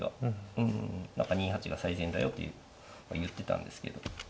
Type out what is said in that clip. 何か２八が最善だよって言ってたんですけど。